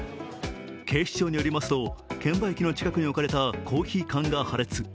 警視庁によりますと、券売機の近くに置かれたコーヒー缶が破裂。